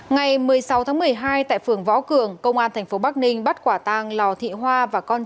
ngày một mươi sáu tháng một mươi hai tại phường võ cường công an tp bắc ninh bắt quả tang lò thị hoa và con trai